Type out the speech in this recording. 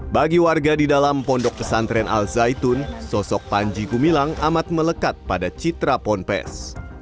bagi warga di dalam pondok pesantren al zaitun sosok panji gumilang amat melekat pada citra ponpes